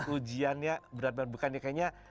ujiannya berat banget bukan ya kayaknya